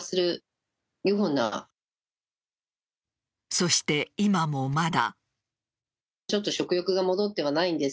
そして、今もまだ。